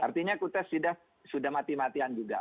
artinya kutes sudah mati matian juga